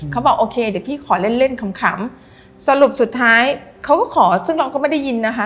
เขาบอกโอเคเดี๋ยวพี่ขอเล่นเล่นขำสรุปสุดท้ายเขาก็ขอซึ่งเราก็ไม่ได้ยินนะคะ